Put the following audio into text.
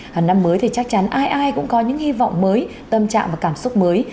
hẳn năm mới thì chắc chắn ai ai cũng có những hy vọng mới tâm trạng và cảm xúc mới